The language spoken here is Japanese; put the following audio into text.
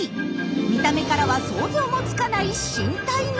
見た目からは想像もつかない身体能力！